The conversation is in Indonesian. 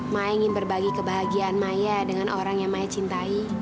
saya ingin berbagi kebahagiaan saya dengan orang yang saya cintai